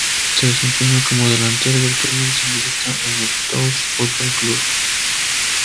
Se desempeña como delantero y actualmente milita en el Tours Football Club.